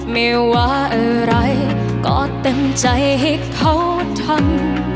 ไม่ว่าอะไรก็เต็มใจให้เขาทัน